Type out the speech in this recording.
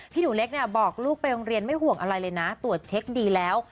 หนูเล็กเนี่ยบอกลูกไปโรงเรียนไม่ห่วงอะไรเลยนะตรวจเช็คดีแล้ว